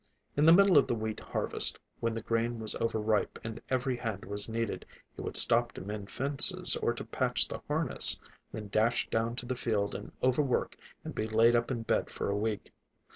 In the middle of the wheat harvest, when the grain was over ripe and every hand was needed, he would stop to mend fences or to patch the harness; then dash down to the field and overwork and be laid up in bed for a week.